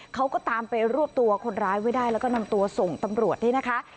เขาก็ตามไปรวบตัวคนร้ายไว้ได้แล้วก็นำตัวส่งตำรวจนี่นะคะ